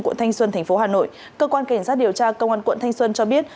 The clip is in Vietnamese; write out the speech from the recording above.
quận thanh xuân tp hà nội cơ quan cảnh sát điều tra công an quận thanh xuân cho biết